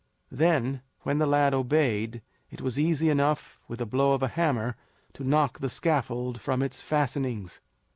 Then, when the lad obeyed, it was easy enough, with a blow of a hammer, to knock the scaffold from its fastenings.